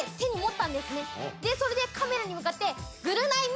それでカメラに向かって。